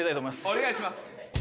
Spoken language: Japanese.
「お願いします」